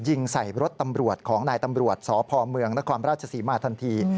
ยิงใส่รถตำรวจของนายตำรวจสพเมืองนครราชศรีมาทันที